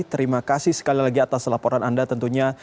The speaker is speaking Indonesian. terima kasih sekali lagi atas laporan anda tentunya